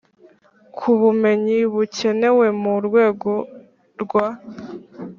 ku bumenyi bukenewe mu rwego rwa